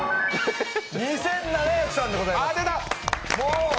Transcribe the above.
２７００さんでございます。